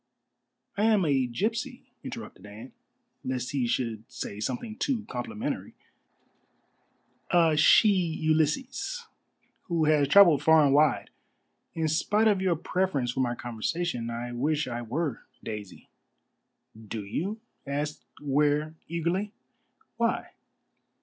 "I am a gipsy," interrupted Anne, lest he should say something too complimentary; "a she Ulysses, who has travelled far and wide. In spite of your preference for my conversation, I wish I were Daisy." "Do you?" asked Ware eagerly. "Why?"